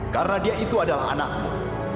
karena dia itu adalah anakmu